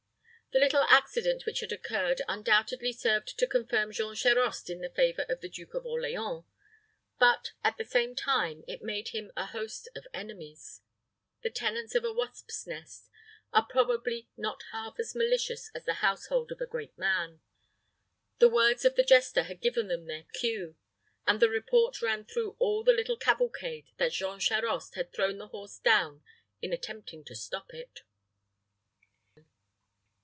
The little accident which had occurred undoubtedly served to confirm Jean Charost in the favor of the Duke of Orleans; but, at the same time, it made him a host of enemies. The tenants of a wasp's nest are probably not half as malicious as the household of a great man. The words of the jester had given them their cue, and the report ran through all the little cavalcade that Jean Charost had thrown the horse down in attempting to stop it.